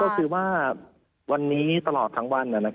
ก็คือว่าวันนี้ตลอดทั้งวัน